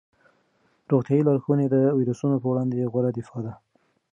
روغتیايي لارښوونې د ویروسونو په وړاندې غوره دفاع ده.